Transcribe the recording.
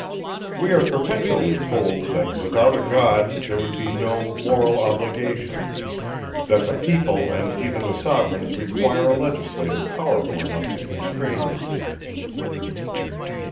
171. We are perpetually told, that, without a God there would be no moral obligation; that the people and even the sovereigns require a legislator powerful enough to constrain them.